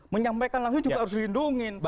menyampaikan langsung juga harus dilindungi